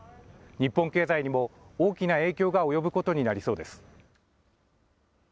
日本経済にも大きな影響が及ぶことになりそうです。